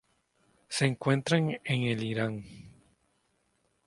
Se encuentra en el Irán.